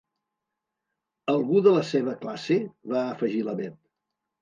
Algú de la seva classe? —va afegir la Bet.